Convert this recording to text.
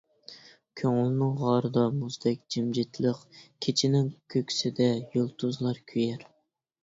كۆڭۈلنىڭ غارىدا مۇزدەك جىمجىتلىق، كېچىنىڭ كۆكسىدە يۇلتۇزلار كۆيەر.